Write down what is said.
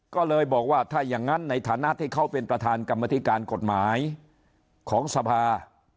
ก็เลยบอกว่าถ้าอย่างนั้นในฐานะที่เขาเป็นประธานกรรมธิการกฎหมายของสภา